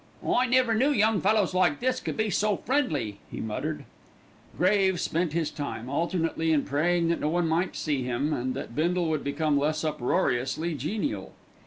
"I never knew young fellers like this could be so friendly," he muttered. Graves spent his time alternately in praying that no one might see him and that Bindle would become less uproariously genial.